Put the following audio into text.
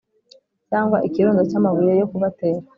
cyangwa ikirundo cy amabuye yo kubatera